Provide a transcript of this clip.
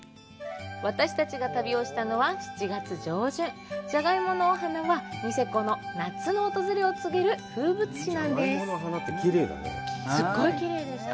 私たちが旅をしたのは７月上旬ジャガイモのお花はニセコの夏の訪れを告げる風物詩なんですどう？